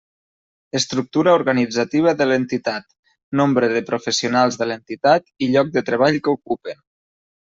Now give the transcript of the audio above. Estructura organitzativa de l'entitat: nombre de professionals de l'entitat i lloc de treball que ocupen.